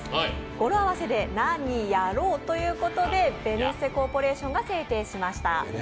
語呂合わせで「なにやろう」ということでベネッセコーポレーションが制定しました。